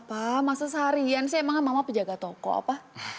apa masa seharian sih emangnya mama pejaga toko apa